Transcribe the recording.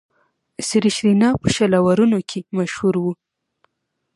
سریش رینا په شل آورونو کښي مشهور وو.